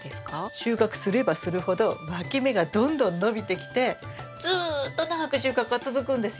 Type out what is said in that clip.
収穫すればするほどわき芽がどんどん伸びてきてずっと長く収穫が続くんですよ。